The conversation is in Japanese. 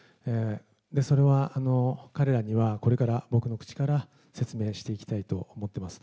それは彼らにはこれから僕の口から説明していきたいと思ってます。